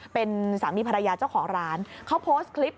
เป็นสามีภรรยาเจ้าของร้านเขาโพสต์คลิป